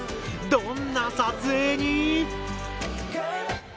どんな撮影に？